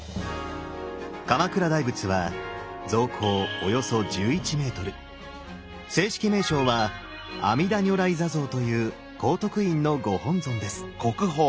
鎌倉大仏は正式名称は「阿弥陀如来坐像」という高徳院のご本尊です。